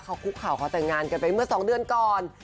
เขาคุกเข่าขอแต่งงานกันไปเมื่อ๒เดือนก่อน